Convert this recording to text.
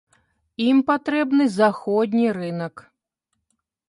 Ім патрэбны заходні рынак.